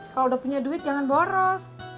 kalau udah punya duit jangan boros